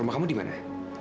rumah kamu di mana